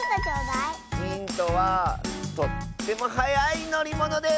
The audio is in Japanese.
ヒントはとってもはやいのりものです！